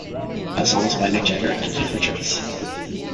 All songs by Mick Jagger and Keith Richards.